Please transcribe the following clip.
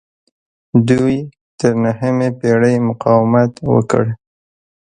دوی تر نهمې پیړۍ مقاومت وکړ